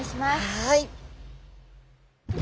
はい。